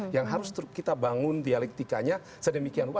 yang harus kita bangun dialektikanya sedemikian rupa